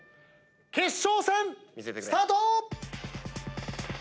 決勝戦スタート！